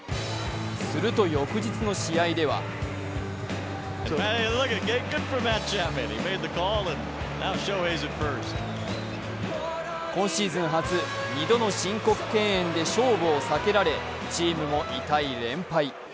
すると翌日の試合では今シーズン初、２度の申告敬遠で勝負を避けられチームも痛い連敗。